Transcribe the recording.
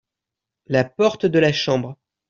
La porte de la chambre.